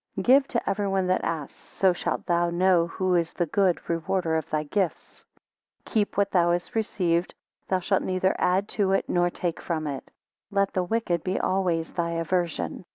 21 Give to everyone that asks so shalt thou know who is the good rewarder of thy gifts. 22 Keep what thou hast received; thou shalt neither add to it nor take from it. 23 Let the wicked be always thy aversion.